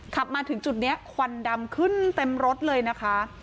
ขับมาถึงจุดนี้ควันดำขึ้นเต็มรถเลยนะคะ